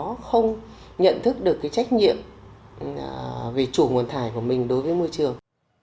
thì chúng ta sẽ không nhận thức được trách nhiệm về chủ nguồn thải của mình đối với môi trường